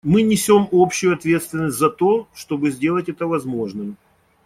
Мы несем общую ответственность за то, чтобы сделать это возможным.